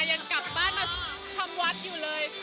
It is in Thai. ยังกลับบ้านมาทำวัดอยู่เลย